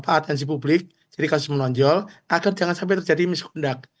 menjadi atensi publik jadi kasus menonjol agar jangan sampai terjadi miskundak